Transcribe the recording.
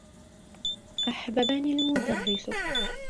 أحببني المدرّس.